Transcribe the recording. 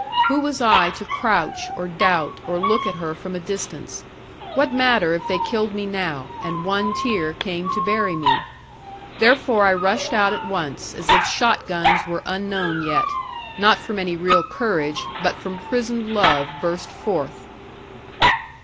Who was I to crouch, or doubt, or look at her from a distance; what matter if they killed me now, and one tear came to bury me? Therefore I rushed out at once, as if shot guns were unknown yet; not from any real courage, but from prisoned love burst forth.